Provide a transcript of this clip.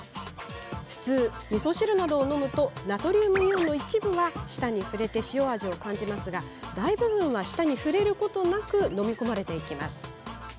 普通、みそ汁などを飲むとナトリウムイオンの一部は舌に触れて塩味を感じますが大部分は舌に触れることなく飲み込まれます。